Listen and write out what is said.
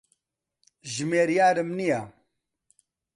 ژمێریارم نییە.